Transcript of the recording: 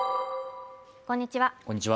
こんにちは